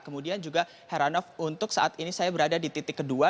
kemudian juga heranov untuk saat ini saya berada di titik kedua